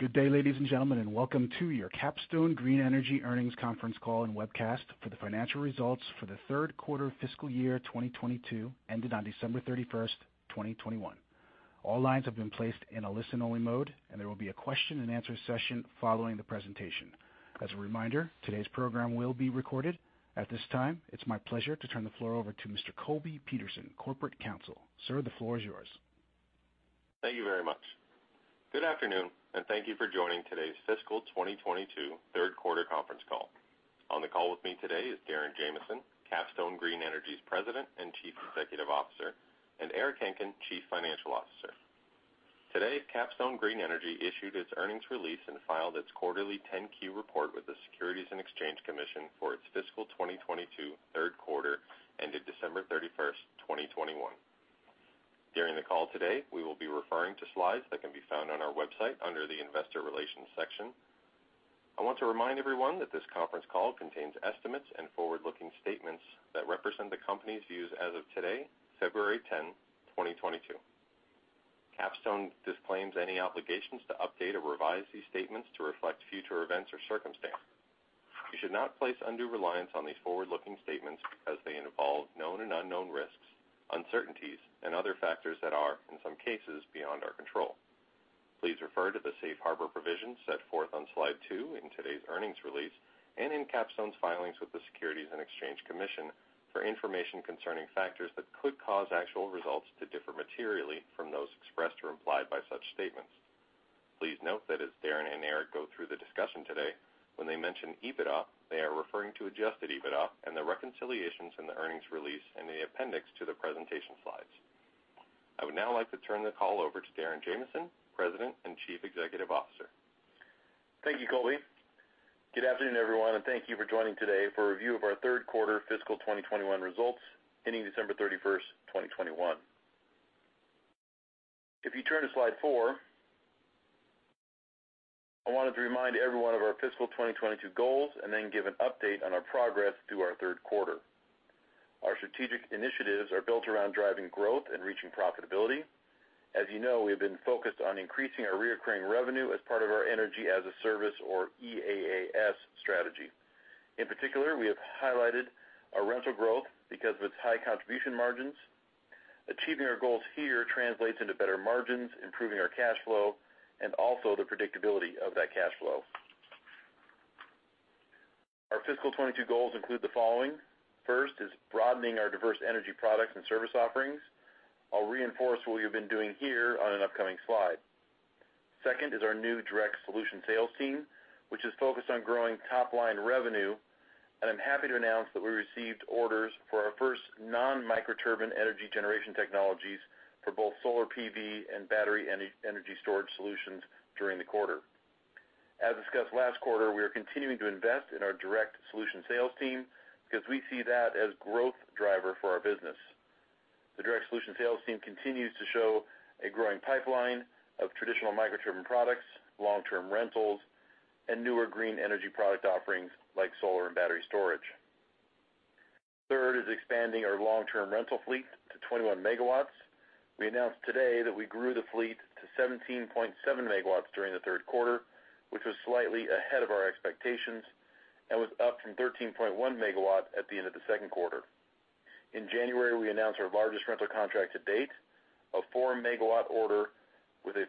Good day, ladies and gentlemen, and welcome to your Capstone Green Energy earnings conference call and webcast for the financial results for the third quarter of fiscal year 2022 ended on December 31st, 2021. All lines have been placed in a listen-only mode, and there will be a question-and-answer session following the presentation. As a reminder, today's program will be recorded. At this time, it's my pleasure to turn the floor over to Mr. Colby Petersen, Corporate Counsel. Sir, the floor is yours. Thank you very much. Good afternoon, and thank you for joining today's fiscal 2022 third quarter conference call. On the call with me today is Darren Jamison, Capstone Green Energy's President and Chief Executive Officer, and Eric Hencken, Chief Financial Officer. Today, Capstone Green Energy issued its earnings release and filed its quarterly 10-Q report with the Securities and Exchange Commission for its fiscal 2022 third quarter ended December 31st, 2021. During the call today, we will be referring to slides that can be found on our website under the investor relations section. I want to remind everyone that this conference call contains estimates and forward-looking statements that represent the company's views as of today, February 10, 2022. Capstone disclaims any obligations to update or revise these statements to reflect future events or circumstances. You should not place undue reliance on these forward-looking statements as they involve known and unknown risks, uncertainties and other factors that are, in some cases, beyond our control. Please refer to the safe harbor provisions set forth on slide two in today's earnings release and in Capstone's filings with the Securities and Exchange Commission for information concerning factors that could cause actual results to differ materially from those expressed or implied by such statements. Please note that as Darren and Eric go through the discussion today, when they mention EBITDA, they are referring to adjusted EBITDA and the reconciliations in the earnings release in the appendix to the presentation slides. I would now like to turn the call over to Darren Jamison, President and Chief Executive Officer. Thank you, Colby. Good afternoon, everyone, and thank you for joining today for a review of our third quarter fiscal 2021 results ending December 31st, 2021. If you turn to slide four, I wanted to remind everyone of our fiscal 2022 goals and then give an update on our progress through our third quarter. Our strategic initiatives are built around driving growth and reaching profitability. As you know, we have been focused on increasing our recurring revenue as part of our Energy as a Service or EAAS strategy. In particular, we have highlighted our rental growth because of its high contribution margins. Achieving our goals here translates into better margins, improving our cash flow, and also the predictability of that cash flow. Our fiscal 2022 goals include the following. First is broadening our diverse energy products and service offerings. I'll reinforce what we have been doing here on an upcoming slide. Second is our new Direct Solution sales team, which is focused on growing top-line revenue. I'm happy to announce that we received orders for our first non-microturbine energy generation technologies for both solar PV and battery energy storage solutions during the quarter. As discussed last quarter, we are continuing to invest in our Direct Solution sales team because we see that as growth driver for our business. The Direct Solution sales team continues to show a growing pipeline of traditional microturbine products, long-term rentals, and newer green energy product offerings like solar and battery storage. Third is expanding our long-term rental fleet to 21 MW. We announced today that we grew the fleet to 17.7 MW during the third quarter, which was slightly ahead of our expectations and was up from 13.1 MW at the end of the second quarter. In January, we announced our largest rental contract to date, a 4 MW order with a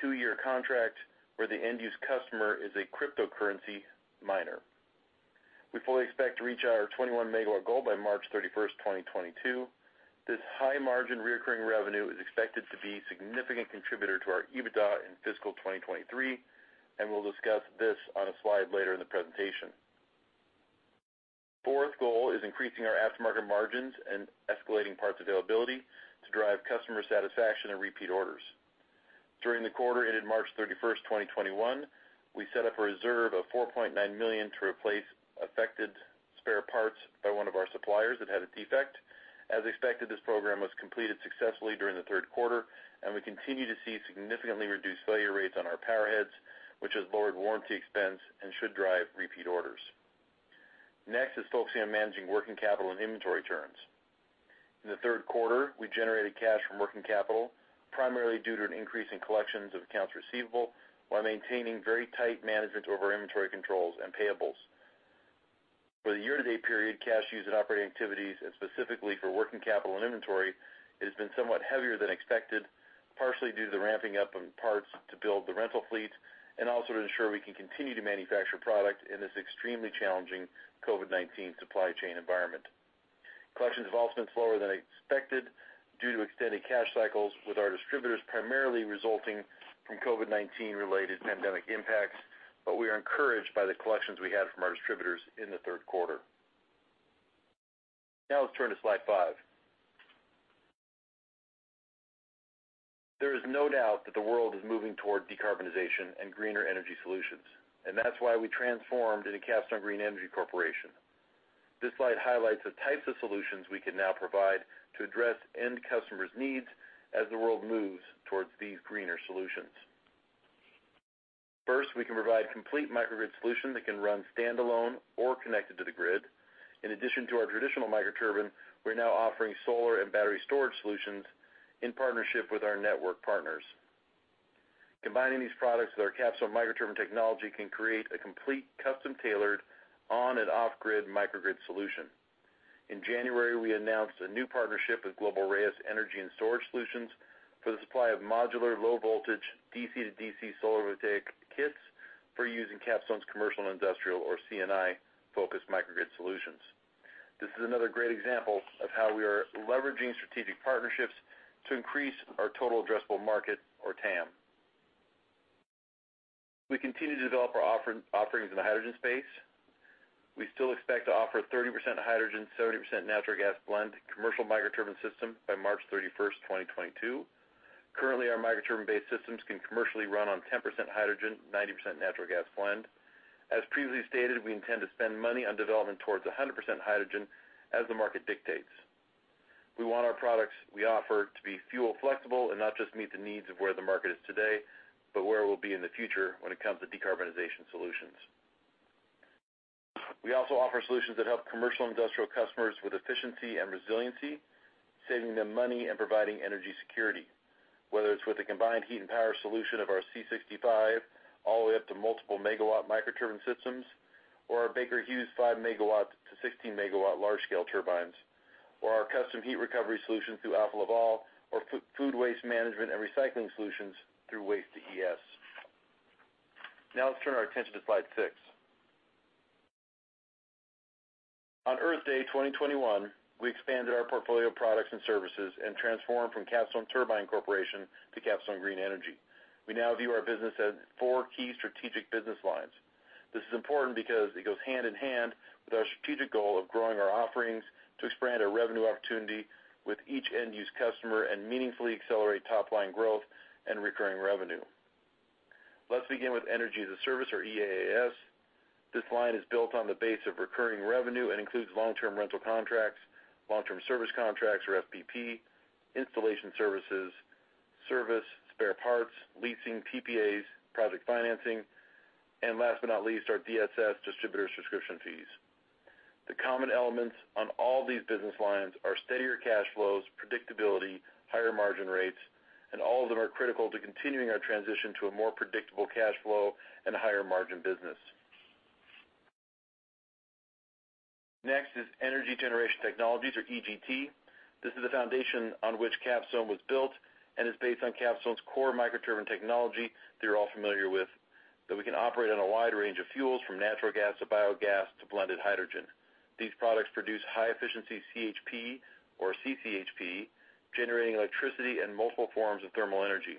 two-year contract where the end use customer is a cryptocurrency miner. We fully expect to reach our 21 MW goal by March 31st, 2022. This high margin recurring revenue is expected to be a significant contributor to our EBITDA in fiscal 2023, and we'll discuss this on a slide later in the presentation. Fourth goal is increasing our aftermarket margins and escalating parts availability to drive customer satisfaction and repeat orders. During the quarter ended March 31st, 2021, we set up a reserve of $4.9 million to replace affected spare parts by one of our suppliers that had a defect. As expected, this program was completed successfully during the third quarter, and we continue to see significantly reduced failure rates on our power heads, which has lowered warranty expense and should drive repeat orders. Next is focusing on managing working capital and inventory turns. In the third quarter, we generated cash from working capital, primarily due to an increase in collections of accounts receivable, while maintaining very tight management over inventory controls and payables. For the year-to-date period, cash used in operating activities and specifically for working capital and inventory, it has been somewhat heavier than expected, partially due to the ramping up of parts to build the rental fleet and also to ensure we can continue to manufacture product in this extremely challenging COVID-19 supply chain environment. Collections have also been slower than expected due to extended cash cycles with our distributors, primarily resulting from COVID-19 related pandemic impacts, but we are encouraged by the collections we had from our distributors in the third quarter. Now let's turn to slide five. There is no doubt that the world is moving toward decarbonization and greener energy solutions, and that's why we transformed into Capstone Green Energy Corporation. This slide highlights the types of solutions we can now provide to address end customers' needs as the world moves towards these greener solutions. First, we can provide complete microgrid solution that can run standalone or connected to the grid. In addition to our traditional microturbine, we're now offering solar and battery storage solutions in partnership with our network partners. Combining these products with our Capstone microturbine technology can create a complete custom-tailored on and off grid microgrid solution. In January, we announced a new partnership with Global RAIS Energy and Storage Solutions for the supply of modular low voltage DC-to-DC solar update kits for use in Capstone's commercial and industrial, or C&I focused microgrid solutions. This is another great example of how we are leveraging strategic partnerships to increase our total addressable market or TAM. We continue to develop our offerings in the hydrogen space. We still expect to offer 30% hydrogen, 70% natural gas blend commercial microturbine system by March 31st, 2022. Currently, our microturbine-based systems can commercially run on 10% hydrogen, 90% natural gas blend. As previously stated, we intend to spend money on development towards 100% hydrogen as the market dictates. We want our products we offer to be fuel flexible and not just meet the needs of where the market is today, but where it will be in the future when it comes to decarbonization solutions. We also offer solutions that help commercial industrial customers with efficiency and resiliency, saving them money and providing energy security, whether it's with a combined heat and power solution of our C65 all the way up to multiple megawatt microturbine systems, or our Baker Hughes 5-MW to 16-MW large scale turbines, or our custom heat recovery solutions through Alfa Laval or food waste management and recycling solutions through Waste2ES. Now let's turn our attention to slide six. On Earth Day 2021, we expanded our portfolio of products and services and transformed from Capstone Turbine Corporation to Capstone Green Energy. We now view our business as four key strategic business lines. This is important because it goes hand in hand with our strategic goal of growing our offerings to expand our revenue opportunity with each end customer and meaningfully accelerate top line growth and recurring revenue. Let's begin with Energy as a Service or EAAS. This line is built on the base of recurring revenue and includes long-term rental contracts, long-term service contracts or FPP, installation services, service, spare parts, leasing, PPAs, project financing, and last but not least, our DSS distributor subscription fees. The common elements on all these business lines are steadier cash flows, predictability, higher margin rates, and all of them are critical to continuing our transition to a more predictable cash flow and a higher margin business. Next is Energy Generation Technologies or EGT. This is the foundation on which Capstone was built and is based on Capstone's core microturbine technology that you're all familiar with, that we can operate on a wide range of fuels, from natural gas to biogas to blended hydrogen. These products produce high efficiency CHP or CCHP, generating electricity and multiple forms of thermal energy.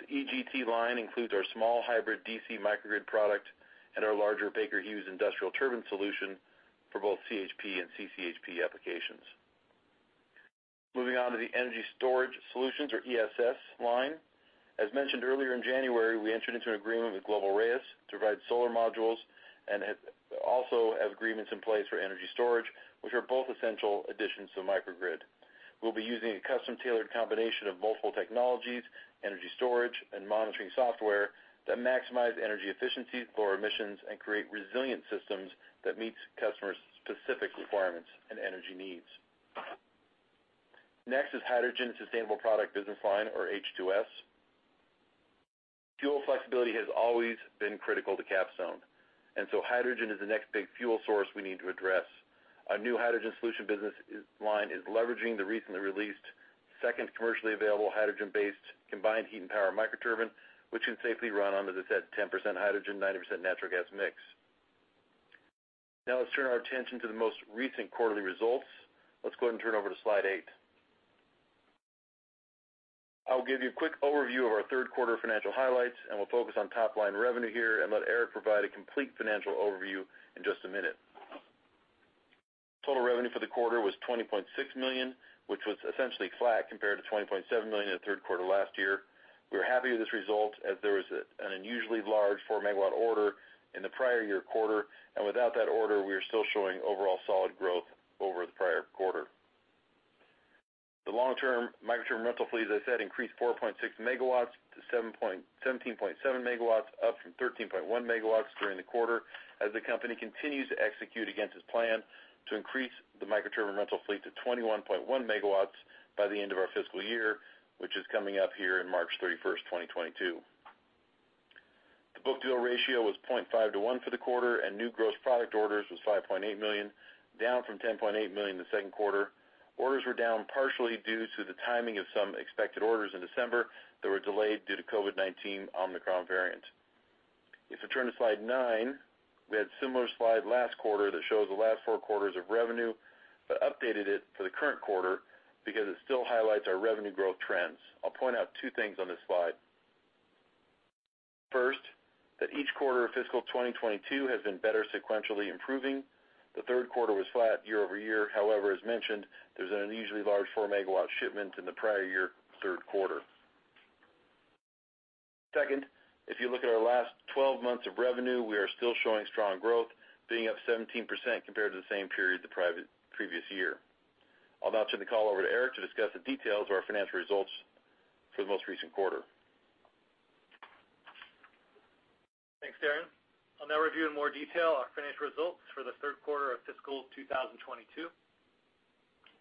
The EGT line includes our small hybrid DC microgrid product and our larger Baker Hughes industrial turbine solution for both CHP and CCHP applications. Moving on to the Energy Storage Solutions or ESS line. As mentioned earlier in January, we entered into an agreement with Global RAIS to provide solar modules and also have agreements in place for energy storage, which are both essential additions to microgrid. We'll be using a custom-tailored combination of multiple technologies, energy storage, and monitoring software that maximize energy efficiency for emissions and create resilient systems that meets customers' specific requirements and energy needs. Next is Hydrogen & Sustainable Products business line, or H2S. Fuel flexibility has always been critical to Capstone, and so hydrogen is the next big fuel source we need to address. Our new hydrogen solution business line is leveraging the recently released second commercially available hydrogen-based combined heat and power microturbine, which can safely run on, as I said, 10% hydrogen, 90% natural gas mix. Now let's turn our attention to the most recent quarterly results. Let's go ahead and turn over to slide eight. I'll give you a quick overview of our third quarter financial highlights, and we'll focus on top line revenue here and let Eric provide a complete financial overview in just a minute. Total revenue for the quarter was $20.6 million, which was essentially flat compared to $20.7 million in the third quarter last year. We are happy with this result as there was an unusually large 4 MW order in the prior year quarter, and without that order, we are still showing overall solid growth over the prior quarter. The long-term microturbine rental fleet, as I said, increased 4.6 MW to 17.7 MW, up from 13.1 MW during the quarter as the company continues to execute against its plan to increase the microturbine rental fleet to 21.1 MW by the end of our fiscal year, which is coming up here in March 31st, 2022. The book-to-bill ratio was 0.5x to 1x for the quarter, and new gross product orders was $5.8 million, down from $10.8 million in the second quarter. Orders were down partially due to the timing of some expected orders in December that were delayed due to COVID-19 Omicron variant. If we turn to slide nine, we had a similar slide last quarter that shows the last four quarters of revenue, but updated it for the current quarter because it still highlights our revenue growth trends. I'll point out two things on this slide. First, that each quarter of fiscal 2022 has been better sequentially improving. The third quarter was flat year-over-year. However, as mentioned, there's an unusually large 4 MW shipment in the prior year, third quarter. Second, if you look at our last 12 months of revenue, we are still showing strong growth, being up 17% compared to the same period the previous year. I'll now turn the call over to Eric to discuss the details of our financial results for the most recent quarter. Thanks, Darren. I'll now review in more detail our financial results for the third quarter of fiscal 2022.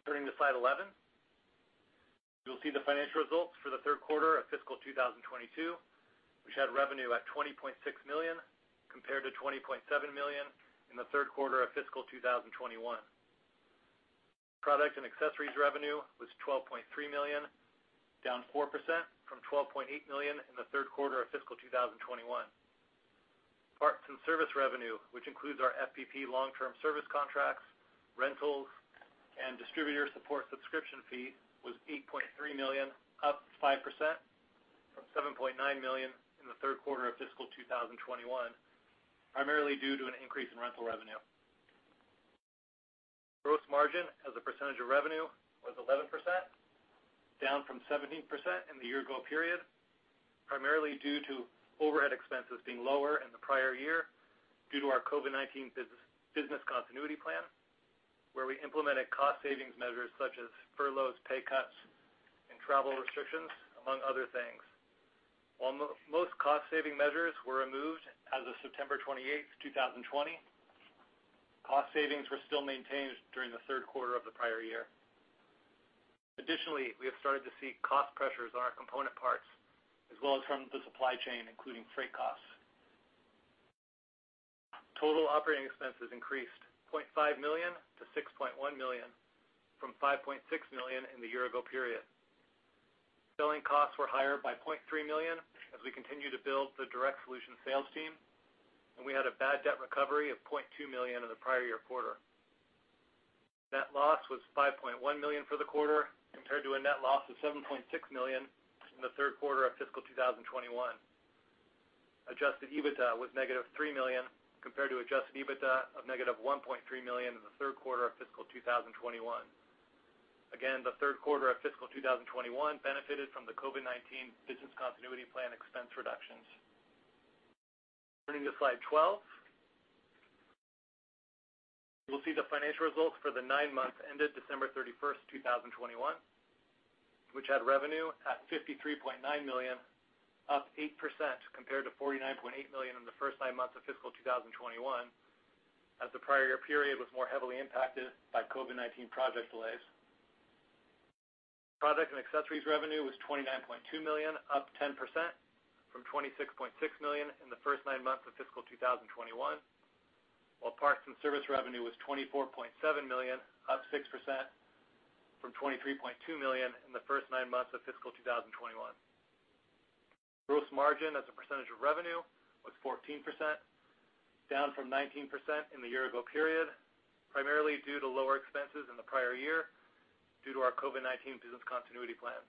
Turning to slide 11, you'll see the financial results for the third quarter of fiscal 2022, which had revenue at $20.6 million compared to $20.7 million in the third quarter of fiscal 2021. Product and accessories revenue was $12.3 million, down 4% from $12.8 million in the third quarter of fiscal 2021. Parts and service revenue, which includes our FPP long-term service contracts, rentals, and distributor support subscription fee, was $8.3 million, up 5% from $7.9 million in the third quarter of fiscal 2021, primarily due to an increase in rental revenue. Gross margin as a percentage of revenue was 11%, down from 17% in the year ago period, primarily due to overhead expenses being lower in the prior year due to our COVID-19 business continuity plan, where we implemented cost savings measures such as furloughs, pay cuts, and travel restrictions, among other things. While most cost saving measures were removed as of September 28, 2020, cost savings were still maintained during the third quarter of the prior year. Additionally, we have started to see cost pressures on our component parts as well as from the supply chain, including freight costs. Total operating expenses increased $0.5 million to $6.1 million from $5.6 million in the year ago period. Selling costs were higher by $0.3 million as we continue to build the Direct Solution sales team, and we had a bad debt recovery of $0.2 million in the prior year quarter. Net loss was $5.1 million for the quarter compared to a net loss of $7.6 million in the third quarter of fiscal 2021. Adjusted EBITDA was -$3 million compared to adjusted EBITDA of -$1.3 million in the third quarter of fiscal 2021. Again, the third quarter of fiscal 2021 benefited from the COVID-19 business continuity plan expense reductions. Turning to slide 12, you will see the financial results for the nine months ended December 31st, 2021, which had revenue at $53.9 million, up 8% compared to $49.8 million in the first nine months of fiscal 2021, as the prior year period was more heavily impacted by COVID-19 project delays. Product and accessories revenue was $29.2 million, up 10% from $26.6 million in the first nine months of fiscal 2021, while parts and service revenue was $24.7 million, up 6% from $23.2 million in the first nine months of fiscal 2021. Gross margin as a percentage of revenue was 14%, down from 19% in the year ago period, primarily due to lower expenses in the prior year due to our COVID-19 business continuity plan.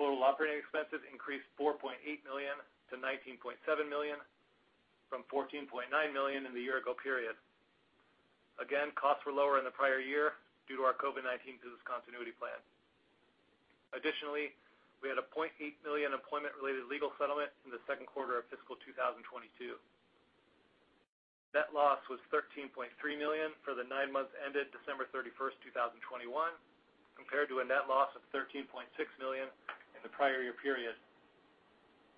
Total operating expenses increased $4.8 million to $19.7 million from $14.9 million in the year ago period. Costs were lower in the prior year due to our COVID-19 business continuity plan. We had a $0.8 million employment related legal settlement in the second quarter of fiscal 2022. Net loss was $13.3 million for the nine months ended December 31st, 2021, compared to a net loss of $13.6 million in the prior year period.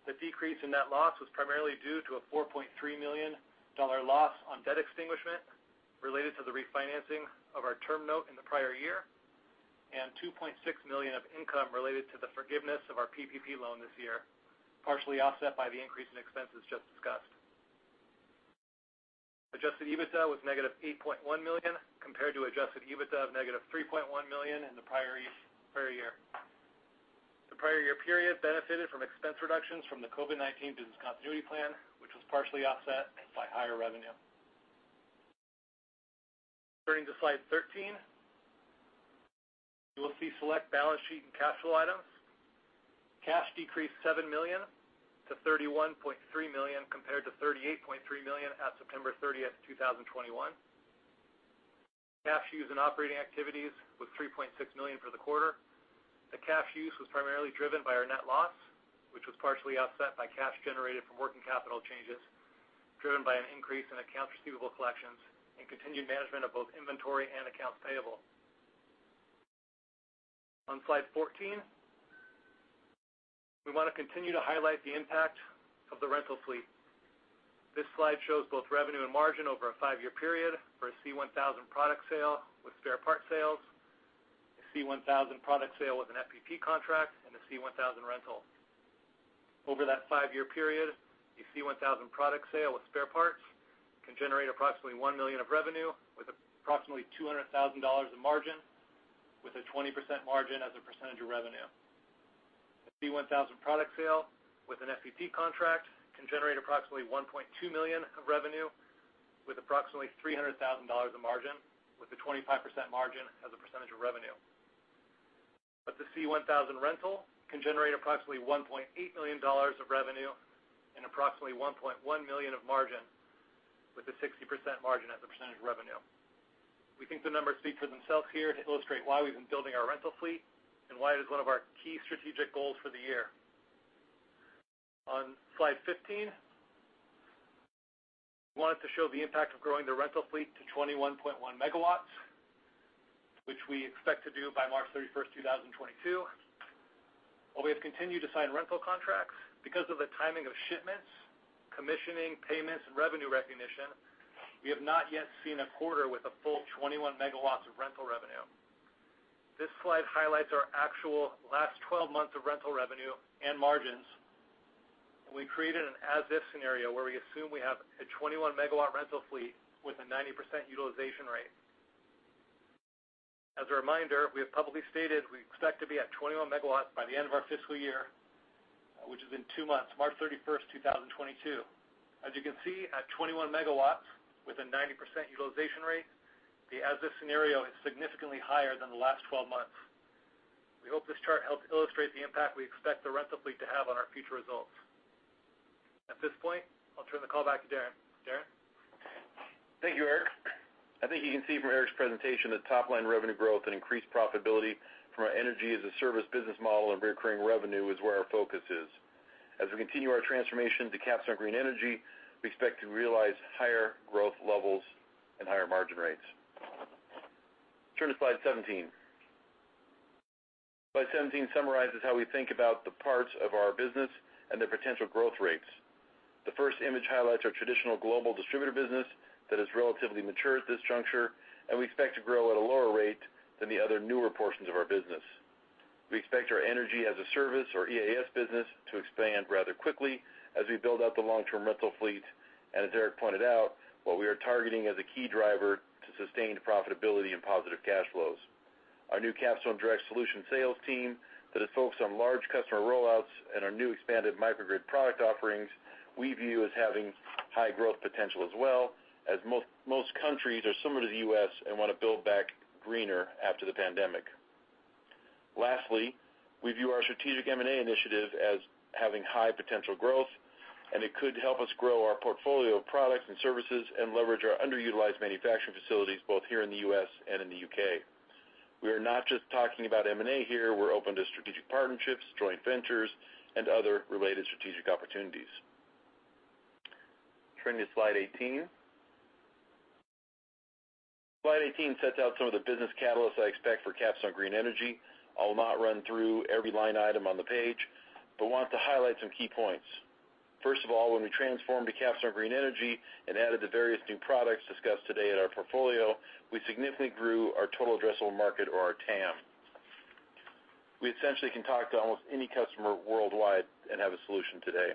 The decrease in net loss was primarily due to a $4.3 million loss on debt extinguishment related to the refinancing of our term note in the prior year, and $2.6 million of income related to the forgiveness of our PPP loan this year, partially offset by the increase in expenses just discussed. Adjusted EBITDA was negative $8.1 million compared to adjusted EBITDA of -$3.1 million in the prior year. The prior year period benefited from expense reductions from the COVID-19 business continuity plan, which was partially offset by higher revenue. Turning to slide 13, you will see select balance sheet and cash flow items. Cash decreased $7 million to $31.3 million compared to $38.3 million at September 30th, 2021. Cash used in operating activities was $3.6 million for the quarter. The cash use was primarily driven by our net loss, which was partially offset by cash generated from working capital changes, driven by an increase in accounts receivable collections and continued management of both inventory and accounts payable. On slide 14, we wanna continue to highlight the impact of the rental fleet. This slide shows both revenue and margin over a five-year period for a C1000 product sale with spare parts sales, a C1000 product sale with an FPP contract, and a C1000 rental. Over that five-year period, a C1000 product sale with spare parts can generate approximately $1 million of revenue with approximately $200,000 in margin with a 20% margin as a percentage of revenue. A C1000 product sale with an FPP contract can generate approximately $1.2 million of revenue with approximately $300,000 in margin with a 25% margin as a percentage of revenue. The C1000 rental can generate approximately $1.8 million of revenue and approximately $1.1 million of margin with a 60% margin as a percentage of revenue. We think the numbers speak for themselves here to illustrate why we've been building our rental fleet and why it is one of our key strategic goals for the year. On slide 15. We wanted to show the impact of growing the rental fleet to 21.1 MW, which we expect to do by March 31st, 2022. While we have continued to sign rental contracts because of the timing of shipments, commissioning, payments, and revenue recognition, we have not yet seen a quarter with a full 21 MW of rental revenue. This slide highlights our actual last 12 months of rental revenue and margins. We created an as-if scenario where we assume we have a 21 MW rental fleet with a 90% utilization rate. As a reminder, we have publicly stated we expect to be at 21 MW by the end of our fiscal year, which is in two months, March 31st, 2022. As you can see, at 21 MW with a 90% utilization rate, the as-if scenario is significantly higher than the last 12 months. We hope this chart helps illustrate the impact we expect the rental fleet to have on our future results. At this point, I'll turn the call back to Darren. Darren? Thank you, Eric. I think you can see from Eric's presentation that top-line revenue growth and increased profitability from our Energy as a Service business model and recurring revenue is where our focus is. As we continue our transformation to Capstone Green Energy, we expect to realize higher growth levels and higher margin rates. Turn to slide 17. Slide 17 summarizes how we think about the parts of our business and their potential growth rates. The first image highlights our traditional global distributor business that is relatively mature at this juncture, and we expect to grow at a lower rate than the other newer portions of our business. We expect our Energy as a Service or EaaS business to expand rather quickly as we build out the long-term rental fleet, and as Eric pointed out, what we are targeting as a key driver to sustained profitability and positive cash flows. Our new Capstone Direct Solution sales team that is focused on large customer rollouts and our new expanded microgrid product offerings we view as having high growth potential as well, as most countries are similar to the U.S. and want to build back greener after the pandemic. Lastly, we view our strategic M&A initiative as having high potential growth, and it could help us grow our portfolio of products and services and leverage our underutilized manufacturing facilities, both here in the U.S. and in the U.K. We are not just talking about M&A here. We're open to strategic partnerships, joint ventures, and other related strategic opportunities. Turning to slide 18. Slide 18 sets out some of the business catalysts I expect for Capstone Green Energy. I will not run through every line item on the page, but want to highlight some key points. First of all, when we transformed to Capstone Green Energy and added the various new products discussed today in our portfolio, we significantly grew our total addressable market or our TAM. We essentially can talk to almost any customer worldwide and have a solution today.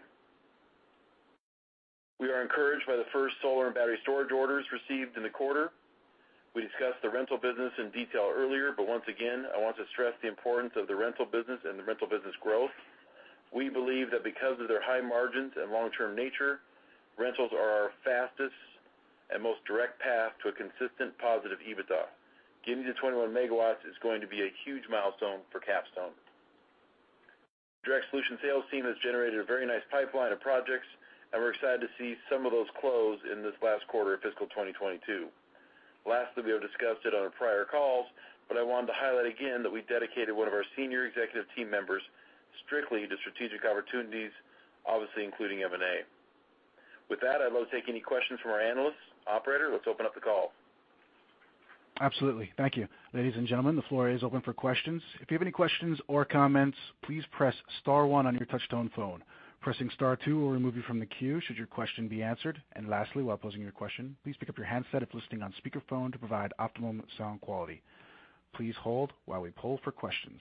We are encouraged by the first solar and battery storage orders received in the quarter. We discussed the rental business in detail earlier, but once again, I want to stress the importance of the rental business and the rental business growth. We believe that because of their high margins and long-term nature, rentals are our fastest and most direct path to a consistent positive EBITDA. Getting to 21 MW is going to be a huge milestone for Capstone. Direct Solution sales team has generated a very nice pipeline of projects, and we're excited to see some of those close in this last quarter of fiscal 2022. Lastly, we have discussed it on our prior calls, but I wanted to highlight again that we dedicated one of our senior executive team members strictly to strategic opportunities, obviously including M&A. With that, I'd love to take any questions from our analysts. Operator, let's open up the call. Absolutely. Thank you. Ladies and gentlemen, the floor is open for questions. If you have any questions or comments, please press star one on your touchtone phone. Pressing star two will remove you from the queue should your question be answered. Lastly, while posing your question, please pick up your handset if listening on speakerphone to provide optimum sound quality. Please hold while we poll for questions.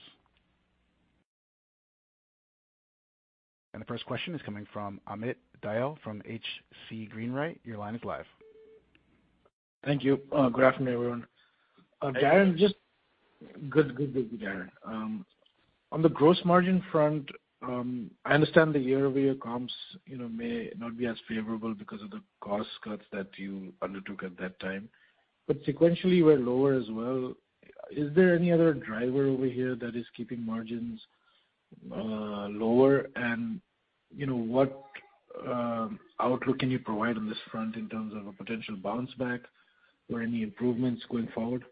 The first question is coming from Amit Dayal from H.C. Wainwright. Your line is live. Thank you. Good afternoon, everyone. Darren. Good, good with you, Darren. On the gross margin front, I understand the year-over-year comps, you know, may not be as favorable because of the cost cuts that you undertook at that time, but sequentially were lower as well. Is there any other driver over here that is keeping margins lower? You know, what outlook can you provide on this front in terms of a potential bounce back or any improvements going forward?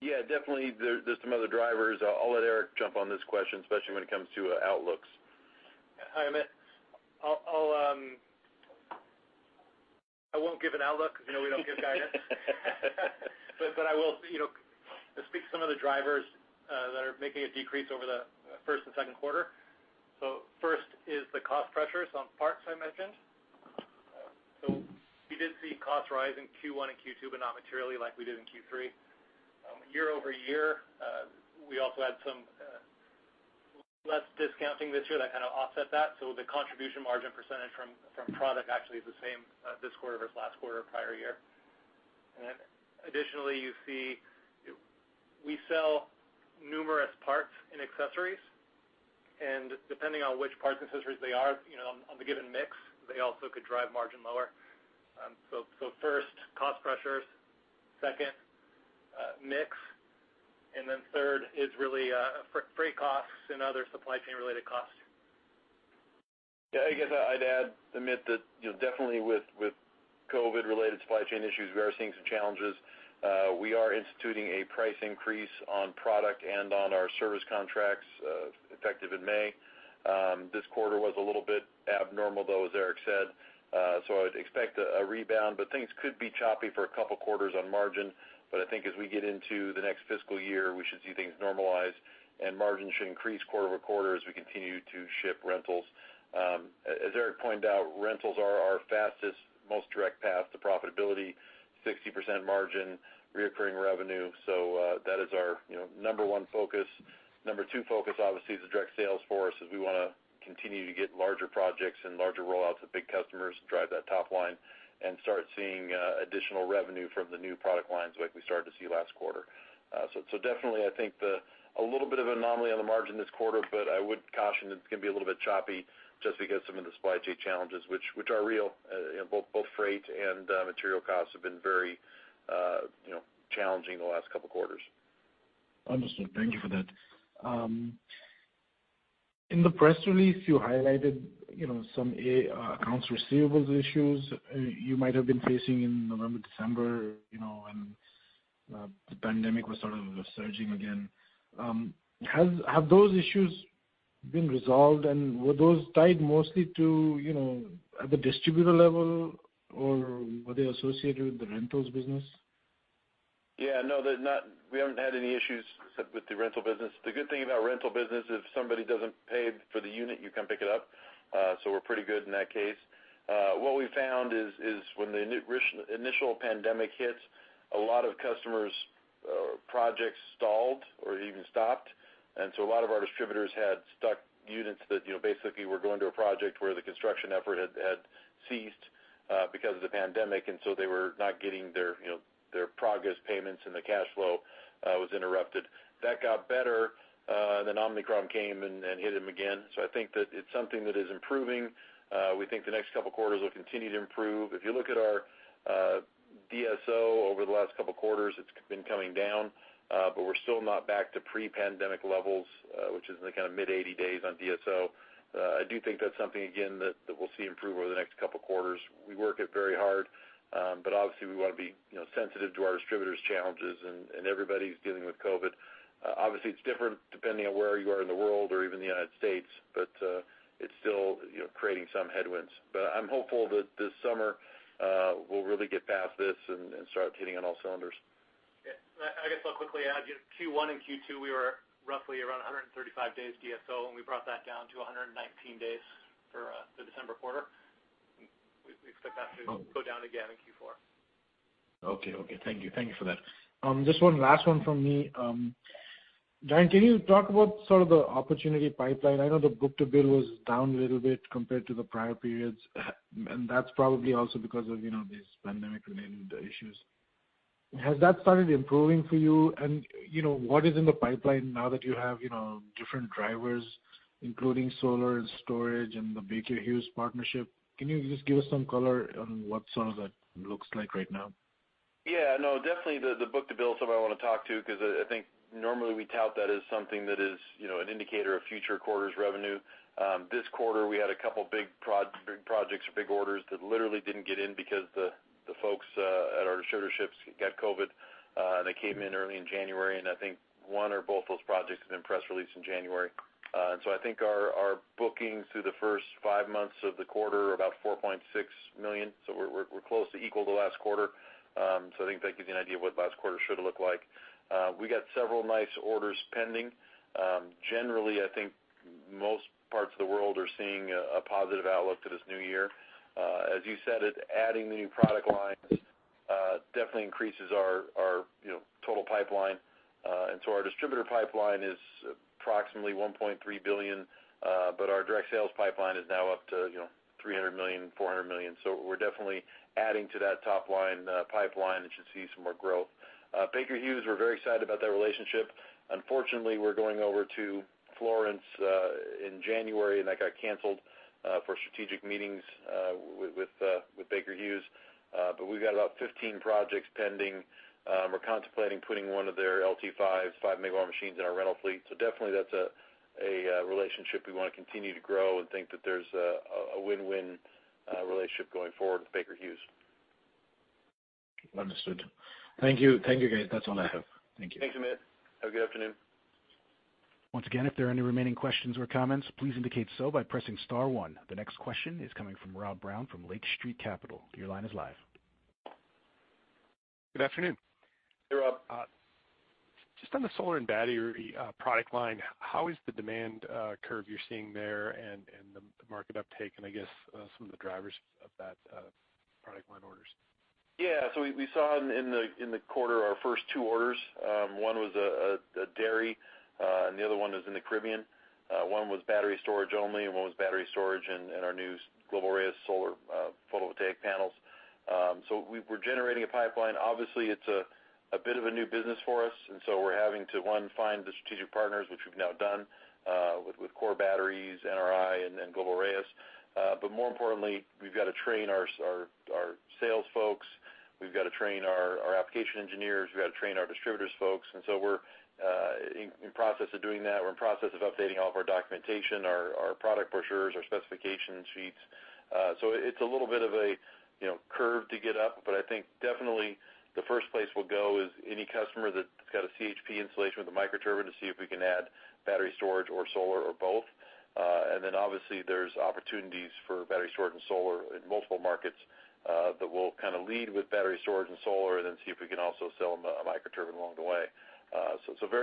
Yeah, definitely. There's some other drivers. I'll let Eric jump on this question, especially when it comes to outlooks. Hi, Amit. I won't give an outlook because I know we don't give guidance. I will, you know, speak to some of the drivers that are making a decrease over the first and second quarter. First is the cost pressures on parts I mentioned. We did see costs rise in Q1 and Q2, but not materially like we did in Q3. Year-over-year, we also had some less discounting this year that kind of offset that. The contribution margin percentage from product actually is the same this quarter versus last quarter or prior year. Then additionally, you see we sell numerous parts and accessories, and depending on which parts and accessories they are, you know, on the given mix, they also could drive margin lower. First, cost pressures, second, mix, and then third is really, freight costs and other supply chain related costs. Yeah, I guess I'd add, Amit, that, you know, definitely with COVID-related supply chain issues, we are seeing some challenges. We are instituting a price increase on product and on our service contracts, effective in May. This quarter was a little bit abnormal, though, as Eric said, so I would expect a rebound, but things could be choppy for a couple quarters on margin. I think as we get into the next fiscal year, we should see things normalize and margins should increase quarter-over-quarter as we continue to ship rentals. As Eric pointed out, rentals are our fastest, most direct path to profitability, 60% margin, recurring revenue. That is our, you know, number one focus. Number two focus, obviously, is the direct sales force, as we wanna continue to get larger projects and larger rollouts with big customers, drive that top line and start seeing additional revenue from the new product lines like we started to see last quarter. So definitely I think a little bit of anomaly on the margin this quarter, but I would caution it's gonna be a little bit choppy just because some of the supply chain challenges which are real. You know, both freight and material costs have been very, you know, challenging the last couple quarters. Understood. Thank you for that. In the press release, you highlighted some accounts receivable issues you might have been facing in November, December, when the pandemic was sort of surging again. Have those issues been resolved and were those tied mostly to at the distributor level or were they associated with the rentals business? We haven't had any issues with the rental business. The good thing about rental business, if somebody doesn't pay for the unit, you come pick it up. We're pretty good in that case. What we found is when the initial pandemic hit, a lot of customers' projects stalled or even stopped. A lot of our distributors had stuck units that you know basically were going to a project where the construction effort had ceased because of the pandemic. They were not getting their you know their progress payments and the cash flow was interrupted. That got better. Omicron came and hit them again. I think that it's something that is improving. We think the next couple quarters will continue to improve. If you look at our DSO over the last couple quarters, it's been coming down, but we're still not back to pre-pandemic levels, which is in the kind of mid-80 days on DSO. I do think that's something again that we'll see improve over the next couple quarters. We work it very hard, but obviously we wanna be, you know, sensitive to our distributors' challenges and everybody's dealing with COVID. Obviously, it's different depending on where you are in the world or even the United States, but it's still, you know, creating some headwinds. I'm hopeful that this summer we'll really get past this and start hitting on all cylinders. Yeah. I guess I'll quickly add. You know, Q1 and Q2, we were roughly around 135 days DSO, and we brought that down to 119 days for the December quarter. We expect that to go down again in Q4. Okay. Thank you for that. Just one last one from me. Darren, can you talk about sort of the opportunity pipeline? I know the book-to-bill was down a little bit compared to the prior periods, and that's probably also because of, you know, these pandemic-related issues. Has that started improving for you? You know, what is in the pipeline now that you have, you know, different drivers, including solar and storage and the Baker Hughes partnership? Can you just give us some color on what some of that looks like right now? Yeah. No, definitely the book-to-bill is something I wanna talk to because I think normally we tout that as something that is, you know, an indicator of future quarters' revenue. This quarter, we had a couple big projects or big orders that literally didn't get in because the folks at our distributorships got COVID, and they came in early in January. I think one or both those projects have been press released in January. I think our bookings through the first five months of the quarter are about $4.6 million. We're close to equal to last quarter. I think that gives you an idea of what last quarter should look like. We got several nice orders pending. Generally, I think most parts of the world are seeing a positive outlook to this new year. As you said, adding the new product lines definitely increases our you know total pipeline. Our distributor pipeline is approximately $1.3 billion, but our direct sales pipeline is now up to you know $300 million-$400 million. We're definitely adding to that top line pipeline and should see some more growth. Baker Hughes, we're very excited about that relationship. Unfortunately, we're going over to Florence in January, and that got canceled for strategic meetings with Baker Hughes. We've got about 15 projects pending. We're contemplating putting one of their NovaLT5 5 MW machines in our rental fleet. Definitely that's a relationship we wanna continue to grow and think that there's a win-win relationship going forward with Baker Hughes. Understood. Thank you. Thank you, guys. That's all I have. Thank you. Thank you, Amit. Have a good afternoon. Once again, if there are any remaining questions or comments, please indicate so by pressing star one. The next question is coming from Rob Brown from Lake Street Capital Markets. Your line is live. Good afternoon. Hey, Rob. Just on the solar and battery product line, how is the demand curve you're seeing there and the market uptake, and I guess some of the drivers of that product line orders? We saw in the quarter our first two orders. One was a dairy, and the other one was in the Caribbean. One was battery storage only, and one was battery storage and our new Global RAIS solar photovoltaic panels. We're generating a pipeline. Obviously, it's a bit of a new business for us, and we're having to, one, find the strategic partners, which we've now done, with Core Batteries, NRI, and Global RAIS. More importantly, we've got to train our sales folks. We've got to train our application engineers, we've got to train our distributors folks. We're in process of doing that. We're in process of updating all of our documentation, our product brochures, our specification sheets. It's a little bit of a you know curve to get up, but I think definitely the first place we'll go is any customer that's got a CHP installation with a microturbine to see if we can add battery storage or solar or both. Then obviously there's opportunities for battery storage and solar in multiple markets that we'll kind of lead with battery storage and solar and then see if we can also sell them a microturbine along the way.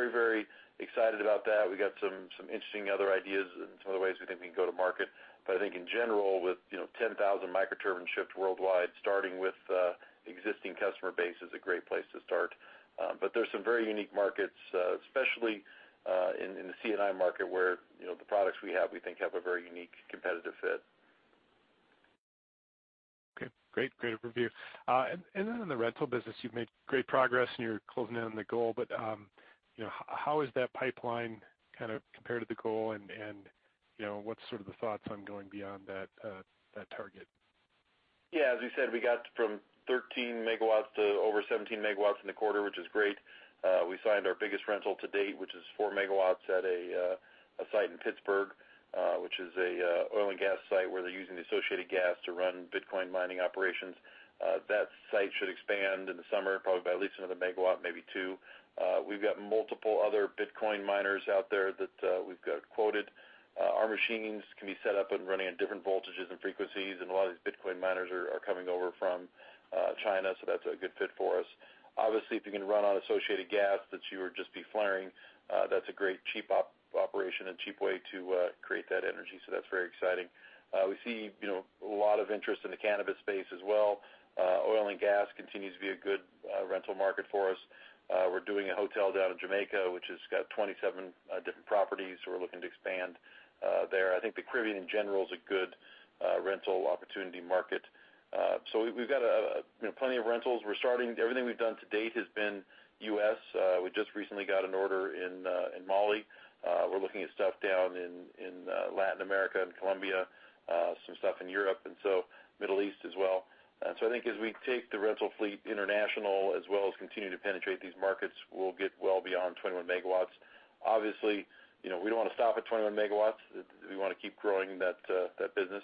Very excited about that. We got some interesting other ideas and some other ways we think we can go to market. I think in general with you know 10,000 microturbines shipped worldwide, starting with existing customer base is a great place to start. There's some very unique markets, especially in the C&I market where, you know, the products we have, we think have a very unique competitive fit. Okay. Great overview. In the rental business, you've made great progress and you're closing in on the goal, but you know, how is that pipeline kind of compared to the goal? You know, what's sort of the thoughts on going beyond that target? Yeah, as we said, we got from 13 MW to over 17 MW in the quarter, which is great. We signed our biggest rental to date, which is 4 MW at a site in Pittsburgh, which is an oil and gas site where they're using the associated gas to run Bitcoin mining operations. That site should expand in the summer, probably by at least another megawatts, maybe 2 MW. We've got multiple other Bitcoin miners out there that we've got quoted. Our machines can be set up and running at different voltages and frequencies, and a lot of these Bitcoin miners are coming over from China, so that's a good fit for us. Obviously, if you can run on associated gas that you would just be flaring, that's a great cheap operation and cheap way to create that energy. That's very exciting. We see, you know, a lot of interest in the cannabis space as well. Oil and gas continues to be a good rental market for us. We're doing a hotel down in Jamaica, which has got 27 different properties, so we're looking to expand there. I think the Caribbean in general is a good rental opportunity market. So, we've got, you know, plenty of rentals. Everything we've done to date has been U.S. We just recently got an order in Mali. We're looking at stuff down in Latin America and Colombia, some stuff in Europe, and Middle East as well. I think as we take the rental fleet international as well as continue to penetrate these markets, we'll get well beyond 21 MW. Obviously, you know, we don't want to stop at 21 MW. We wanna keep growing that business.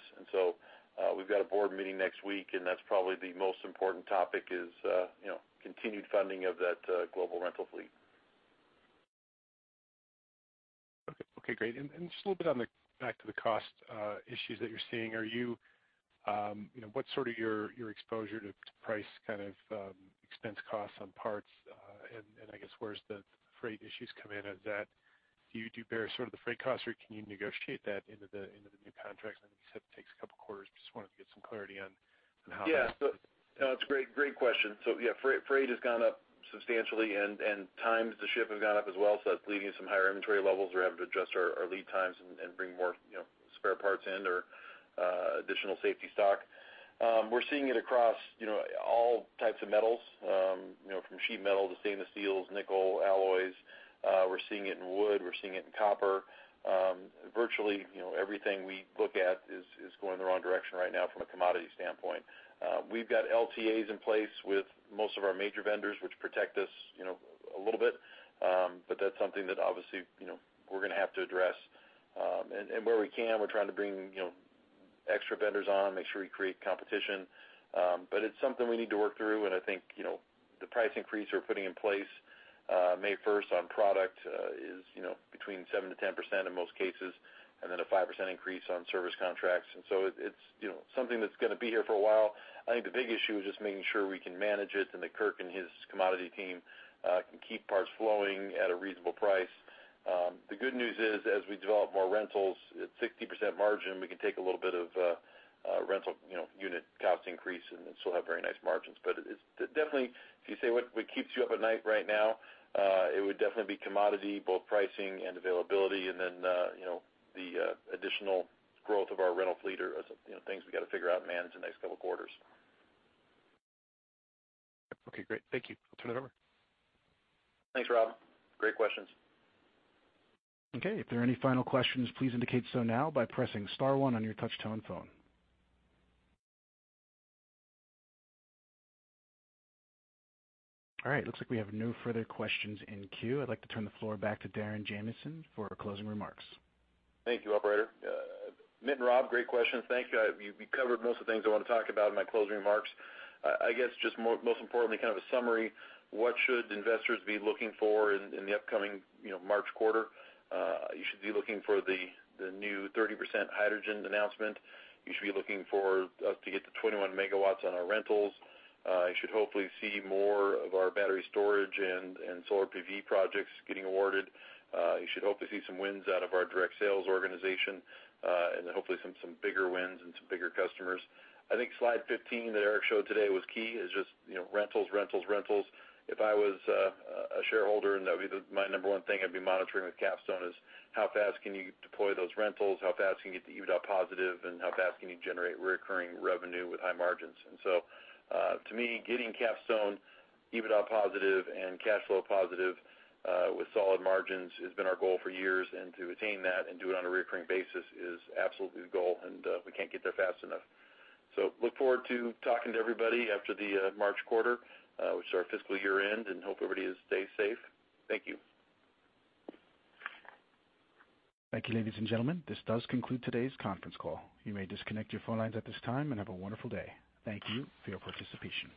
We've got a board meeting next week, and that's probably the most important topic is, you know, continued funding of that global rental fleet. Okay, great. Just a little bit on the back to the cost issues that you're seeing. Are you know, what's sort of your exposure to price, kind of, expense costs on parts? And I guess where's the freight issues come in at that. Do you bear sort of the freight costs, or can you negotiate that into the new contracts? I know you said it takes a couple of quarters. Just wanted to get some clarity on how. Yeah. No, it's a great question. Freight has gone up substantially and times to ship have gone up as well, so that's leading to some higher inventory levels. We're having to adjust our lead times and bring more, you know, spare parts in or additional safety stock. We're seeing it across, you know, all types of metals, you know, from sheet metal to stainless steels, nickel, alloys. We're seeing it in wood. We're seeing it in copper. Virtually, you know, everything we look at is going the wrong direction right now from a commodity standpoint. We've got LTAs in place with most of our major vendors, which protect us, you know, a little bit. That's something that obviously, you know, we're gonna have to address. Where we can, we're trying to bring, you know, extra vendors on, make sure we create competition. It's something we need to work through. I think, you know, the price increases we're putting in place May first on product is, you know, between 7%-10% in most cases, and then a 5% increase on service contracts. It's, you know, something that's gonna be here for a while. I think the big issue is just making sure we can manage it and that Kirk and his commodity team can keep parts flowing at a reasonable price. The good news is, as we develop more rentals at 60% margin, we can take a little bit of rental, you know, unit cost increase and still have very nice margins. It's definitely, if you say what keeps you up at night right now, it would definitely be commodity, both pricing and availability, and then, you know, the additional growth of our rental fleet are, as you know, things we got to figure out and manage the next couple of quarters. Okay, great. Thank you. I'll turn it over. Thanks, Rob. Great questions. Okay, if there are any final questions, please indicate so now by pressing star one on your touch-tone phone. All right. Looks like we have no further questions in queue. I'd like to turn the floor back to Darren Jamison for closing remarks. Thank you, operator. Amit and Rob, great questions. Thank you. You covered most of the things I want to talk about in my closing remarks. I guess just most importantly, kind of a summary, what should investors be looking for in the upcoming, you know, March quarter? You should be looking for the new 30% hydrogen announcement. You should be looking for us to get to 21 MW on our rentals. You should hopefully see more of our battery storage and solar PV projects getting awarded. You should hopefully see some wins out of our direct sales organization, and then hopefully some bigger wins and some bigger customers. I think slide 15 that Eric showed today was key. It's just, you know, rentals. If I was a shareholder, that would be my number one thing I'd be monitoring with Capstone: how fast can you deploy those rentals, how fast can you get to EBITDA positive, and how fast can you generate recurring revenue with high margins. To me, getting Capstone EBITDA positive and cash flow positive with solid margins has been our goal for years. To attain that and do it on a recurring basis is absolutely the goal, and we can't get there fast enough. Look forward to talking to everybody after the March quarter, which is our fiscal year-end, and hope everybody stays safe. Thank you. Thank you, ladies and gentlemen. This does conclude today's conference call. You may disconnect your phone lines at this time and have a wonderful day. Thank you for your participation.